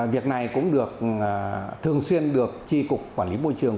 việc này cũng được thường xuyên được tri cục quản lý môi trường